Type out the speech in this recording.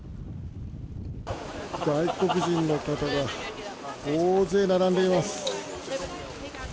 外国人の方が大勢並んでいます。